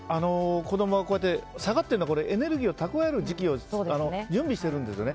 子供はこうやって下がってるのはエネルギーを蓄える時期準備してるんですよね。